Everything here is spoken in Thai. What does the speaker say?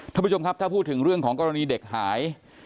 ท่านผู้ชมครับถ้าพูดถึงเรื่องของกรณีเด็กหาย